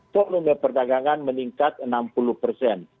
volume perdagangan meningkat enam puluh persen